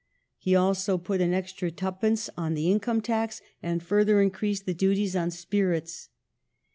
He also put an extra 2d. on the income tax, and further increased the duties on spints.